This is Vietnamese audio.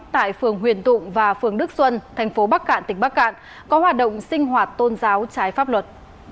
tại phường huyền tụng và phường đức xuân tp bắc cạn tp bắc cạn có hoạt động sinh hoạt tôn giáo trái pháp luật